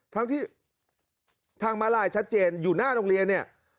ทั้งที่ทางมาลายชัดเจนอยู่หน้าโรงเรียนเนี่ย